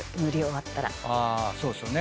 そうですよね。